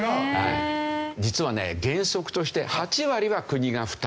実はね原則として８割は国が負担。